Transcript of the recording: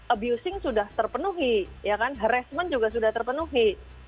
abusing sudah terpenuhi ya kan harassment juga sudah terpenuhi